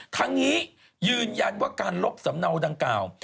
ทั้งนี้ยืนยันว่าการลบสำเนาดังกล่าว